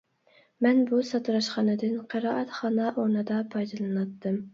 مەن بۇ ساتىراشخانىدىن قىرائەتخانا ئورنىدا پايدىلىناتتىم.